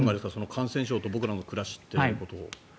感染症と僕らの暮らしというのを。